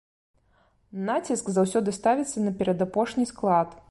Націск заўсёды ставіцца на перадапошні склад.